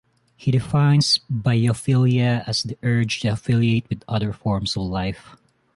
He defines biophilia as "the urge to affiliate with other forms of life".